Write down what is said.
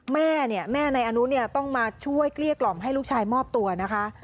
แม่นายอานุต้องมาช่วยเกลี้ยกล่อมให้ลูกชายมอบตัวนะคะ